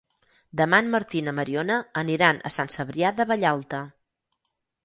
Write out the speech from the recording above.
Demà en Martí i na Mariona aniran a Sant Cebrià de Vallalta.